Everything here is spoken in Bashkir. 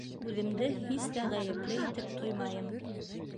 Үҙемде һис тә ғәйепле итеп тоймайым.